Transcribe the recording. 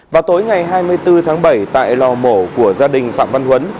vào tối ngày hai mươi bốn tháng bảy tại lò mổ của gia đình phạm văn huấn